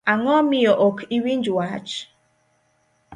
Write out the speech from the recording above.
Ango miyo ok iwinj wach?